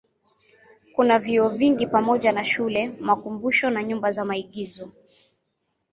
Kuna vyuo vingi pamoja na shule, makumbusho na nyumba za maigizo.